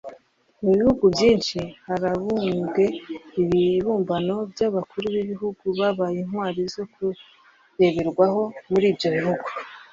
mu bihugu byinshi harabumbwe ibibumbano by’abakuru b’ibihugu babaye intwari zo kureberwaho muri ibyo bihugu